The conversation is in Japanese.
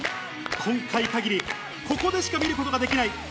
今回限りここでしか見ることができない